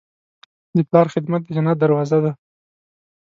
د پلار خدمت د جنت دروازه ده.